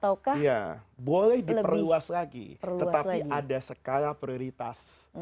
oh enggak boleh diperluas lagi tetapi ada skala prioritas